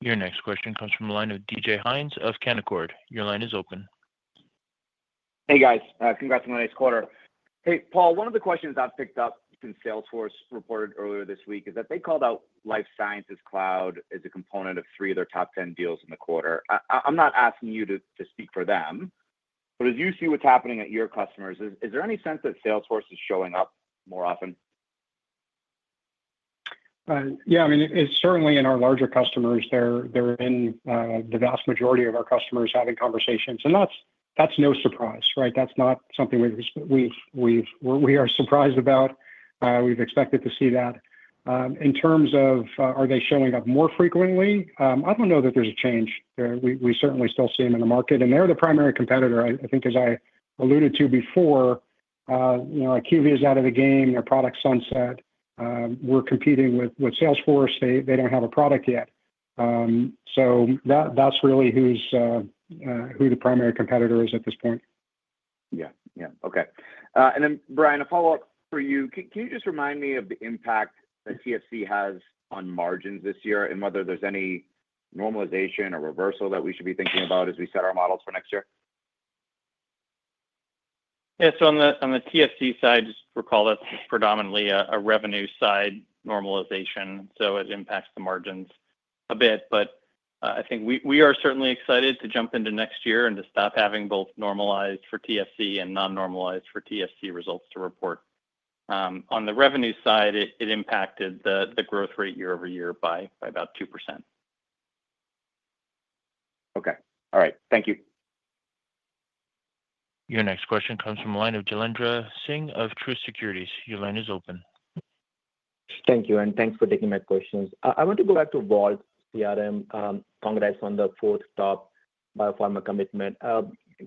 Your next question comes from the line of DJ Hynes of Canaccord. Your line is open. Hey, guys. Congrats on the next quarter. Hey, Paul, one of the questions I've picked up since Salesforce reported earlier this week is that they called out life sciences cloud as a component of three of their top 10 deals in the quarter. I'm not asking you to speak for them. But as you see what's happening at your customers, is there any sense that Salesforce is showing up more often? Yeah. I mean, it's certainly in our larger customers. They're in the vast majority of our customers having conversations. And that's no surprise, right? That's not something we are surprised about. We've expected to see that. In terms of are they showing up more frequently, I don't know that there's a change. We certainly still see them in the market. And they're the primary competitor, I think, as I alluded to before. IQVIA is out of the game. They're product sunset. We're competing with Salesforce. They don't have a product yet. So that's really who the primary competitor is at this point. And then, Brian, a follow-up for you. Can you just remind me of the impact that TFC has on margins this year and whether there's any normalization or reversal that we should be thinking about as we set our models for next year? Yeah. So on the TFC side, just recall that's predominantly a revenue side normalization. So it impacts the margins a bit. But I think we are certainly excited to jump into next year and to stop having both normalized for TFC and non-normalized for TFC results to report. On the revenue side, it impacted the growth rate year over year by about 2%. Okay. All right. Thank you. Your next question comes from the line of Jailendra Singh of Truist Securities. Your line is open. Thank you and thanks for taking my questions. I want to go back to Vault CRM, congrats on the fourth top biopharma commitment.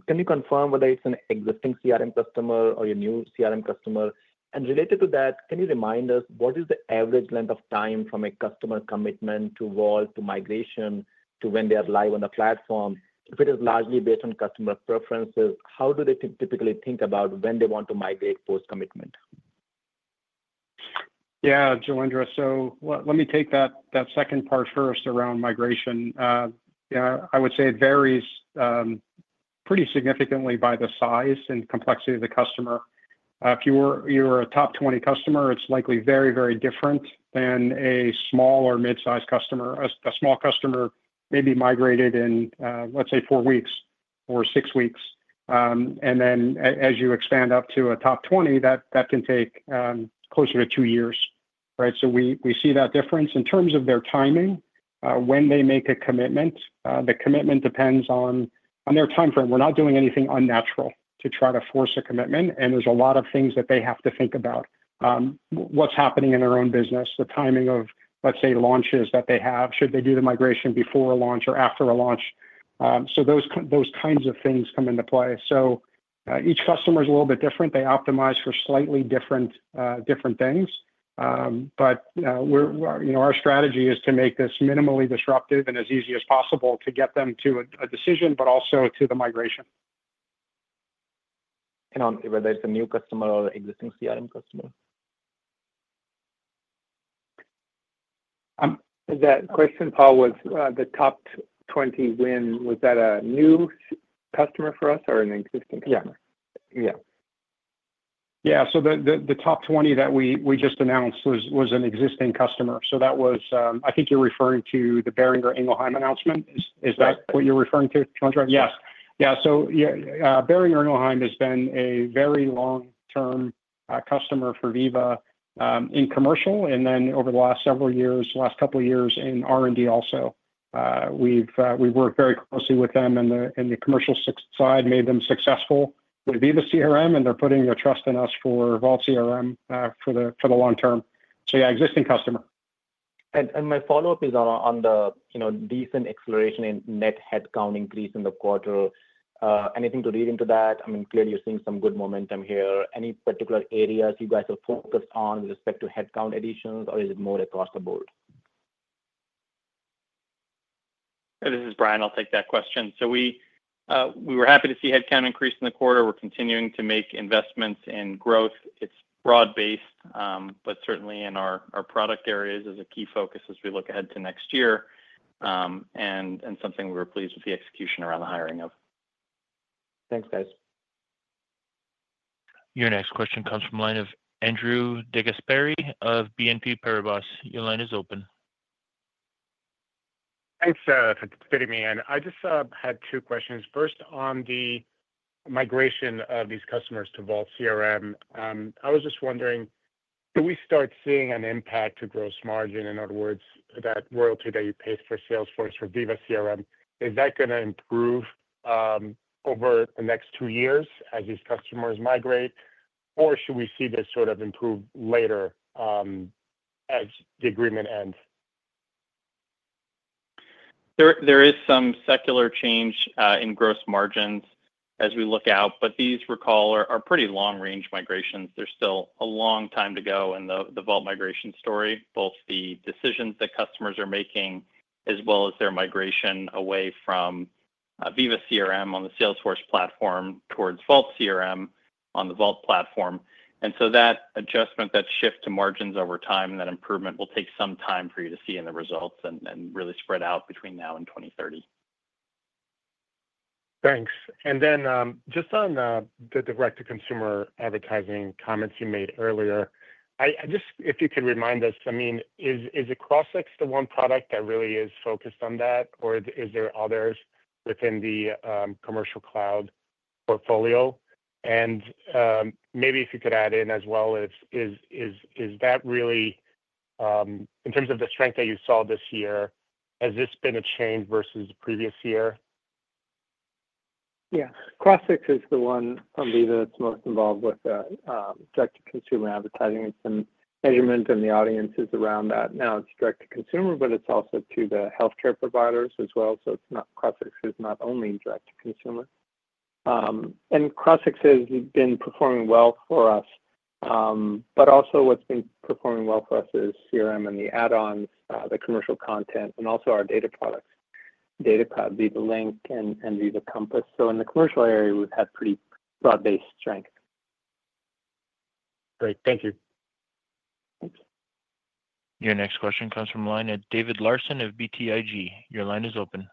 Can you confirm whether it's an existing CRM customer or your new CRM customer? And related to that, can you remind us what is the average length of time from a customer commitment to Vault to migration to when they are live on the platform? If it is largely based on customer preferences, how do they typically think about when they want to migrate post-commitment? Yeah. Jailendra, so let me take that second part first around migration. Yeah. I would say it varies pretty significantly by the size and complexity of the customer. If you were a top 20 customer, it's likely very, very different than a small or mid-sized customer. A small customer may be migrated in, let's say, four weeks or six weeks. And then as you expand up to a top 20, that can take closer to two years, right? So we see that difference. In terms of their timing, when they make a commitment, the commitment depends on their time frame. We're not doing anything unnatural to try to force a commitment. And there's a lot of things that they have to think about: what's happening in their own business, the timing of, let's say, launches that they have, should they do the migration before a launch or after a launch. So those kinds of things come into play. So each customer is a little bit different. They optimize for slightly different things. But our strategy is to make this minimally disruptive and as easy as possible to get them to a decision, but also to the migration. Whether it's a new customer or an existing CRM customer? That question, Paul, was that a new customer for us or an existing customer? Yeah. Yeah. Yeah. So the top 20 that we just announced was an existing customer. So I think you're referring to the Boehringer Ingelheim announcement. Is that what you're referring to, Jailendra? Yes. Yeah. So Boehringer Ingelheim has been a very long-term customer for Veeva in commercial. And then over the last several years, last couple of years in R&D also. We've worked very closely with them in the commercial side, made them successful with Veeva CRM, and they're putting their trust in us for Vault CRM for the long term. So yeah, existing customer. My follow-up is on the decent acceleration in net headcount increase in the quarter. Anything to read into that? I mean, clearly, you're seeing some good momentum here. Any particular areas you guys are focused on with respect to headcount additions, or is it more across the board? This is Brian. I'll take that question. So we were happy to see headcount increase in the quarter. We're continuing to make investments in growth. It's broad-based, but certainly in our product areas as a key focus as we look ahead to next year and something we were pleased with the execution around the hiring of. Thanks, guys. Your next question comes from the line of Andrew DeGasperi of BNP Paribas. Your line is open. Thanks for fitting me in. I just had two questions. First, on the migration of these customers to Vault CRM, I was just wondering, do we start seeing an impact to gross margin? In other words, that royalty that you pay for Salesforce for Veeva CRM, is that going to improve over the next two years as these customers migrate, or should we see this sort of improve later as the agreement ends? There is some secular change in gross margins as we look out. But these, recall, are pretty long-range migrations. There's still a long time to go in the Vault migration story, both the decisions that customers are making as well as their migration away from Veeva CRM on the Salesforce platform towards Vault CRM on the Vault platform, and so that adjustment, that shift to margins over time, that improvement will take some time for you to see in the results and really spread out between now and 2030. Thanks. And then just on the direct-to-consumer advertising comments you made earlier, if you could remind us, I mean, is Crossix the one product that really is focused on that, or is there others within the commercial cloud portfolio? And maybe if you could add in as well, is that really, in terms of the strength that you saw this year, has this been a change versus the previous year? Yeah. Crossix is the one from Veeva that's most involved with direct-to-consumer advertising. It's been measurement and the audiences around that. Now it's direct-to-consumer, but it's also to the healthcare providers as well. So Crossix is not only direct-to-consumer. And Crossix has been performing well for us. But also what's been performing well for us is CRM and the add-ons, the commercial content, and also our data products, Data Cloud, Veeva Link, and Veeva Compass. So in the commercial area, we've had pretty broad-based strength. Great. Thank you. Thanks. Your next question comes from the line of David Larsen of BTIG. Your line is open.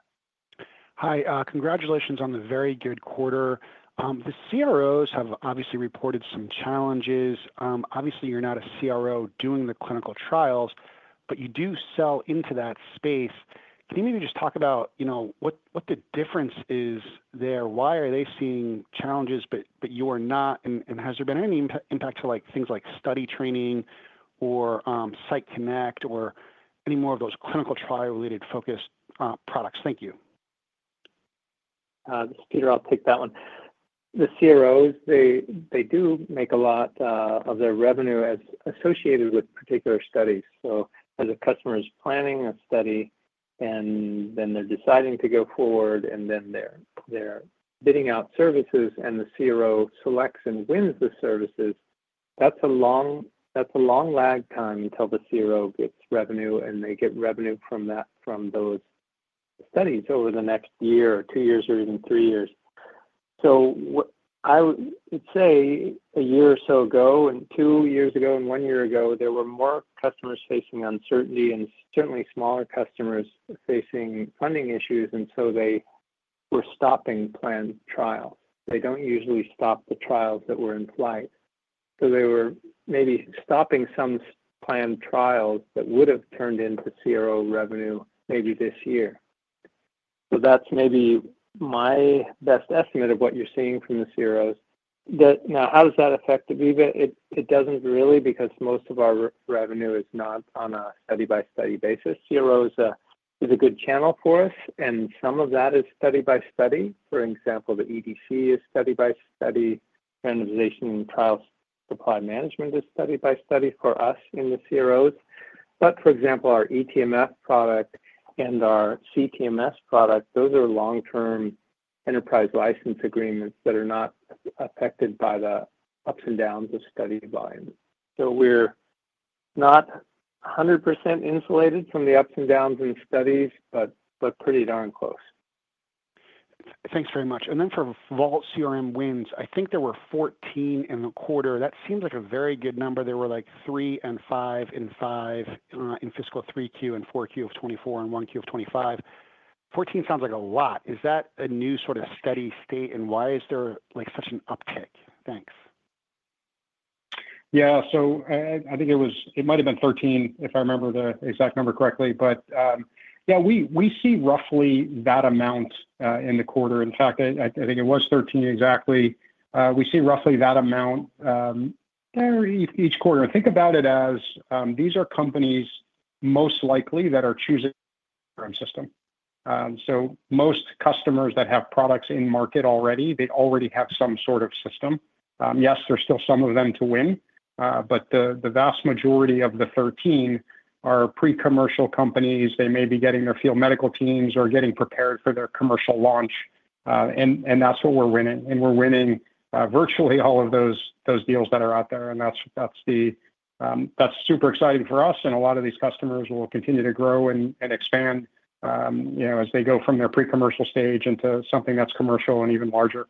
Hi. Congratulations on the very good quarter. The CROs have obviously reported some challenges. Obviously, you're not a CRO doing the clinical trials, but you do sell into that space. Can you maybe just talk about what the difference is there? Why are they seeing challenges, but you are not? And has there been any impact to things like study training or Site Connect or any more of those clinical trial-related focus products? Thank you. Peter, I'll take that one. The CROs, they do make a lot of their revenue associated with particular studies, so as a customer is planning a study and then they're deciding to go forward and then they're bidding out services and the CRO selects and wins the services, that's a long lag time until the CRO gets revenue, and they get revenue from those studies over the next year or two years or even three years, so I would say a year or so ago, and two years ago and one year ago, there were more customers facing uncertainty and certainly smaller customers facing funding issues, and so they were stopping planned trials. They don't usually stop the trials that were in flight, so they were maybe stopping some planned trials that would have turned into CRO revenue maybe this year. So that's maybe my best estimate of what you're seeing from the CROs. Now, how does that affect the Veeva? It doesn't really because most of our revenue is not on a study-by-study basis. CRO is a good channel for us, and some of that is study-by-study. For example, the EDC is study-by-study. Randomization and trial supply management is study-by-study for us in the CROs. But for example, our eTMF product and our CTMS product, those are long-term enterprise license agreements that are not affected by the ups and downs of study volume. So we're not 100% insulated from the ups and downs in studies, but pretty darn close. Thanks very much. And then for Vault CRM wins, I think there were 14 in the quarter. That seems like a very good number. There were like three and five and five in fiscal 3Q and 4Q of 2024 and 1Q of 2025. 14 sounds like a lot. Is that a new sort of steady state, and why is there such an uptick? Thanks. Yeah. So I think it might have been 13, if I remember the exact number correctly. But yeah, we see roughly that amount in the quarter. In fact, I think it was 13 exactly. We see roughly that amount each quarter. Think about it as these are companies most likely that are choosing the CRM system. So most customers that have products in market already, they already have some sort of system. Yes, there's still some of them to win. But the vast majority of the 13 are pre-commercial companies. They may be getting their field medical teams or getting prepared for their commercial launch. And that's what we're winning. And we're winning virtually all of those deals that are out there. And that's super exciting for us. And a lot of these customers will continue to grow and expand as they go from their pre-commercial stage into something that's commercial and even larger.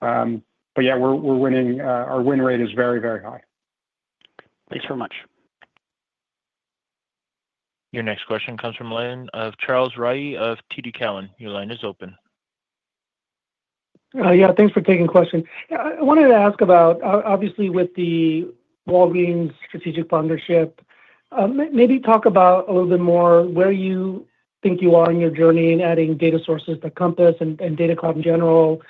But yeah, our win rate is very, very high. Thanks very much. Your next question comes from the line of Charles Rhyee of TD Cowen. Your line is open. Yeah. Thanks for taking the question. I wanted to ask about, obviously, with the Walgreens strategic partnership, maybe talk about a little bit more where you think you are in your journey in adding data sources to Compass and Data Cloud in general.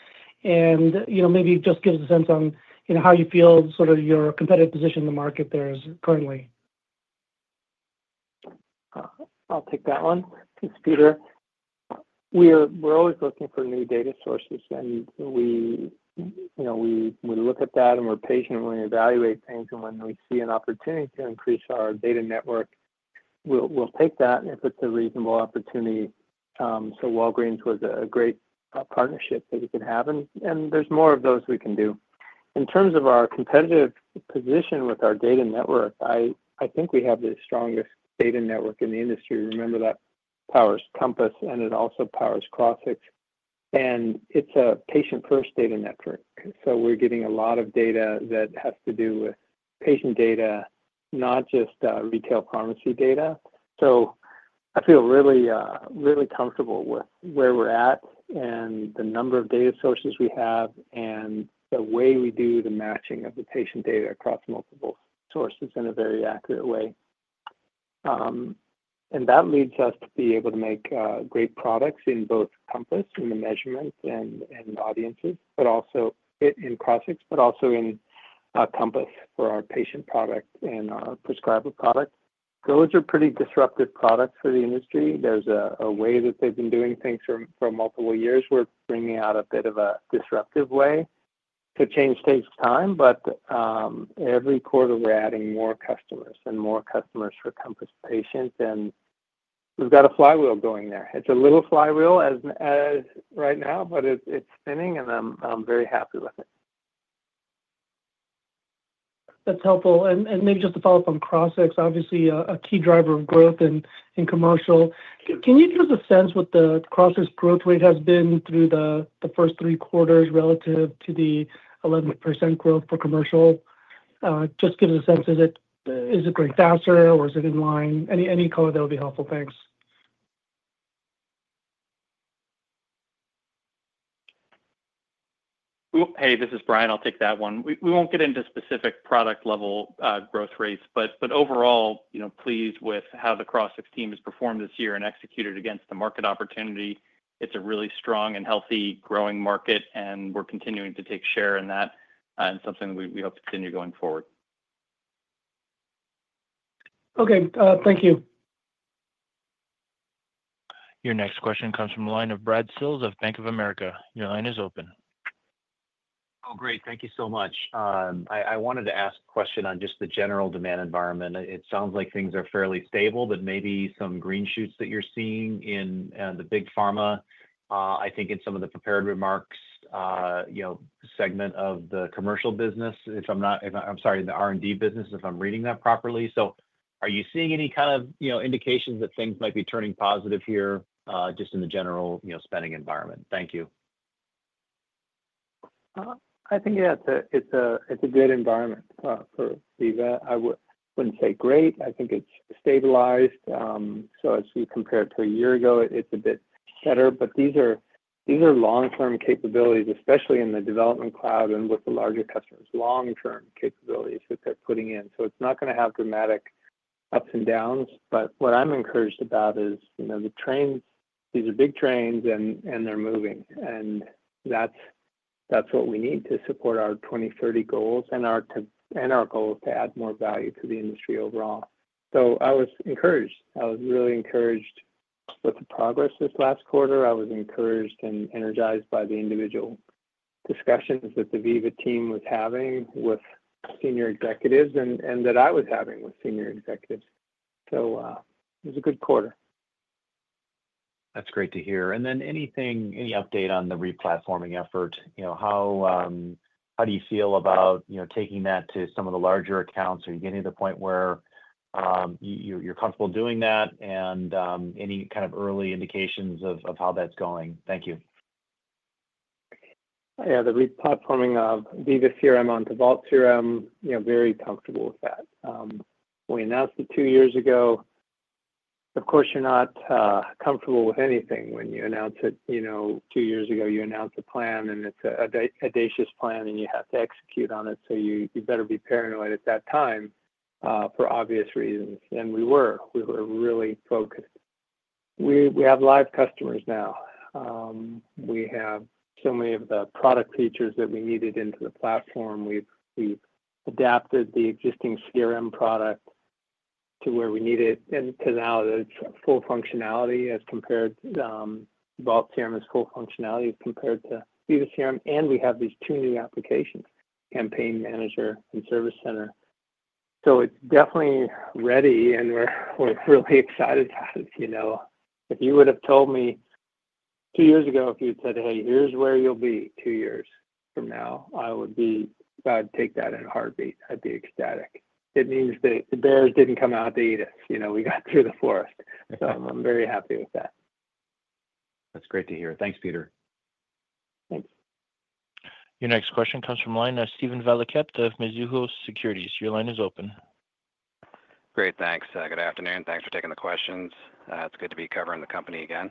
And maybe just give us a sense on how you feel sort of your competitive position in the market there is currently. I'll take that one. Thanks, Peter. We're always looking for new data sources. And we look at that, and we're patient when we evaluate things. And when we see an opportunity to increase our data network, we'll take that if it's a reasonable opportunity. So Walgreens was a great partnership that we could have. And there's more of those we can do. In terms of our competitive position with our data network, I think we have the strongest data network in the industry. Remember that powers Compass, and it also powers Crossix. And it's a patient-first data network. So we're getting a lot of data that has to do with patient data, not just retail pharmacy data. So I feel really comfortable with where we're at and the number of data sources we have and the way we do the matching of the patient data across multiple sources in a very accurate way. And that leads us to be able to make great products in both Compass and the measurements and audiences, but also in Crossix, but also in Compass for our patient product and our prescriber product. Those are pretty disruptive products for the industry. There's a way that they've been doing things for multiple years. We're bringing out a bit of a disruptive way. So change takes time. But every quarter, we're adding more customers and more customers for Compass Patient. And we've got a flywheel going there. It's a little flywheel right now, but it's spinning, and I'm very happy with it. That's helpful, and maybe just to follow up on Crossix, obviously a key driver of growth in commercial. Can you give us a sense what the Crossix growth rate has been through the first three quarters relative to the 11% growth for commercial? Just give us a sense. Is it going faster, or is it in line? Any color that would be helpful. Thanks. Hey, this is Brian. I'll take that one. We won't get into specific product-level growth rates. But overall, pleased with how the Crossix team has performed this year and executed against the market opportunity. It's a really strong and healthy growing market, and we're continuing to take share in that and something we hope to continue going forward. Okay. Thank you. Your next question comes from the line of Brad Sills of Bank of America. Your line is open. Oh, great. Thank you so much. I wanted to ask a question on just the general demand environment. It sounds like things are fairly stable, but maybe some green shoots that you're seeing in big pharma. I think in some of the prepared remarks segment of the commercial business, if I'm not - I'm sorry, the R&D business, if I'm reading that properly. So are you seeing any kind of indications that things might be turning positive here just in the general spending environment? Thank you. I think it's a good environment for Veeva. I wouldn't say great. I think it's stabilized. So as we compare it to a year ago, it's a bit better. But these are long-term capabilities, especially in the Development Cloud and with the larger customers, long-term capabilities that they're putting in. So it's not going to have dramatic ups and downs. But what I'm encouraged about is the trends. These are big trends, and they're moving. And that's what we need to support our 2030 goals and our goals to add more value to the industry overall. So I was encouraged. I was really encouraged with the progress this last quarter. I was encouraged and energized by the individual discussions that the Veeva team was having with senior executives and that I was having with senior executives. So it was a good quarter. That's great to hear. And then any update on the replatforming effort? How do you feel about taking that to some of the larger accounts? Are you getting to the point where you're comfortable doing that? And any kind of early indications of how that's going? Thank you. Yeah. The replatforming of Veeva CRM onto Vault CRM. Very comfortable with that. We announced it two years ago. Of course, you're not comfortable with anything when you announce it. Two years ago, you announced a plan, and it's an audacious plan, and you have to execute on it. So you better be paranoid at that time for obvious reasons, and we were. We were really focused. We have live customers now. We have so many of the product features that we needed into the platform. We've adapted the existing CRM product to where we need it, and now it's full functionality as compared to Vault CRM as full functionality as compared to Veeva CRM, and we have these two new applications, Campaign Manager and Service Center, so it's definitely ready, and we're really excited about it. If you would have told me two years ago, if you had said, "Hey, here's where you'll be two years from now," I would take that in a heartbeat. I'd be ecstatic. It means that the bears didn't come out to eat us. We got through the forest. So I'm very happy with that. That's great to hear. Thanks, Peter. Thanks. Your next question comes from the line of Steven Valiquette of Mizuho Securities. Your line is open. Great. Thanks. Good afternoon. Thanks for taking the questions. It's good to be covering the company again.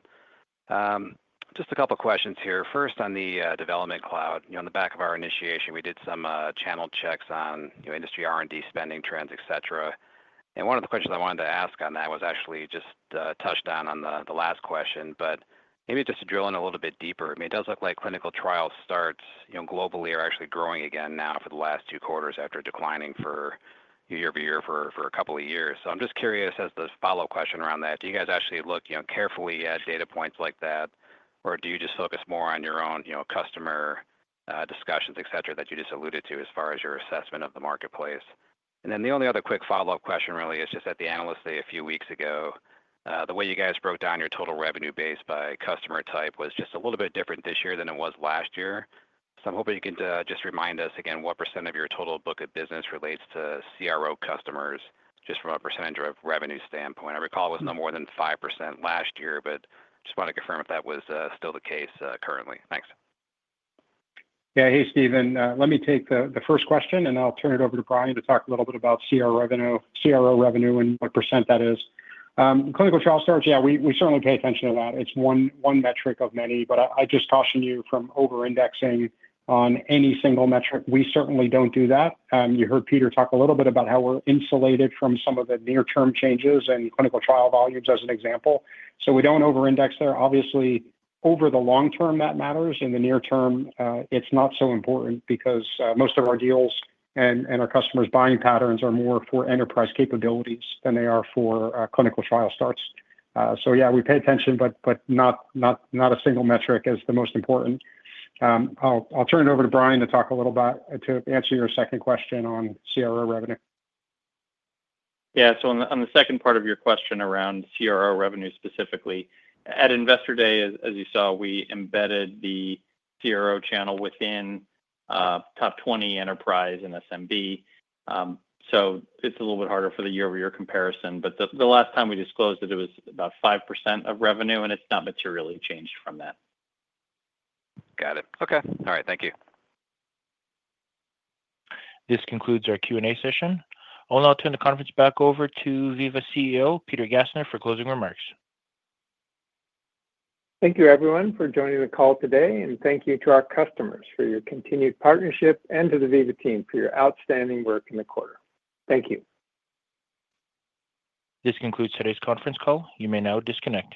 Just a couple of questions here. First, on the Development Cloud, on the back of our initiation, we did some channel checks on industry R&D spending trends, etc., and one of the questions I wanted to ask on that was actually just touched on on the last question, but maybe just to drill in a little bit deeper. I mean, it does look like clinical trial starts globally are actually growing again now for the last two quarters after declining year-over-year for a couple of years. So I'm just curious as the follow-up question around that, do you guys actually look carefully at data points like that, or do you just focus more on your own customer discussions, etc., that you just alluded to as far as your assessment of the marketplace? And then the only other quick follow-up question really is just at the Analyst Day a few weeks ago, the way you guys broke down your total revenue base by customer type was just a little bit different this year than it was last year. So I'm hoping you can just remind us again what percent of your total book of business relates to CRO customers just from a percentage of revenue standpoint. I recall it was no more than five% last year, but just wanted to confirm if that was still the case currently. Thanks. Yeah. Hey, Steven. Let me take the first question, and I'll turn it over to Brian to talk a little bit about CRO revenue and what % that is. Clinical trial starts, yeah, we certainly pay attention to that. It's one metric of many. But I just caution you from over-indexing on any single metric. We certainly don't do that. You heard Peter talk a little bit about how we're insulated from some of the near-term changes and clinical trial volumes as an example. So we don't over-index there. Obviously, over the long term, that matters. In the near term, it's not so important because most of our deals and our customers' buying patterns are more for enterprise capabilities than they are for clinical trial starts. So yeah, we pay attention, but not a single metric is the most important. I'll turn it over to Brian to talk a little about, to answer your second question on CRO revenue. Yeah. So on the second part of your question around CRO revenue specifically, at Investor Day, as you saw, we embedded the CRO channel within top 20 enterprise and SMB. So it's a little bit harder for the year-over-year comparison. But the last time we disclosed it, it was about 5% of revenue, and it's not materially changed from that. Got it. Okay. All right. Thank you. This concludes our Q&A session. I'll now turn the conference back over to Veeva CEO Peter Gassner for closing remarks. Thank you, everyone, for joining the call today. And thank you to our customers for your continued partnership and to the Veeva team for your outstanding work in the quarter. Thank you. This concludes today's conference call. You may now disconnect.